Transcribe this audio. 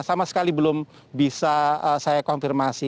sama sekali belum bisa saya konfirmasi